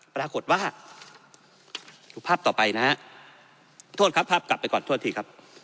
ปรากฏว่าดูภาพต่อไปนะฮะโทษครับภาพกลับไปก่อนโทษทีครับ